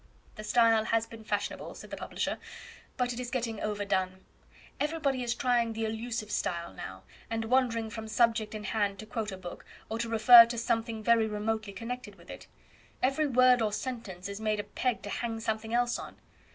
"The style has been fashionable," said the publisher, "but it is getting overdone. Everybody is trying the allusive style now, and wandering from the subject in hand to quote a book, or to refer to something very remotely connected with it. Every word or sentence is made a peg to hang something else on.